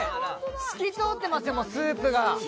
透きとおってますよ、スープが。